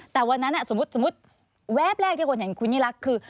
แต่วันนั้นสมมุติแวบแรกที่คนเห็นคุณยิ่งรักคือ